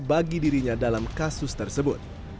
bagi dirinya dalam kasus tersebut